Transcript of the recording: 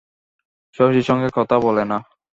শশীর সঙ্গে কথা বলে না।